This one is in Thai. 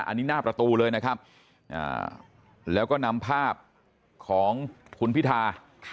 อันนี้หน้าประตูเลยนะครับแล้วก็นำภาพของคุณพิธา